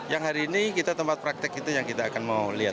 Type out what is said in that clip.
yang hari ini kita tempat praktek itu yang kita akan mau lihat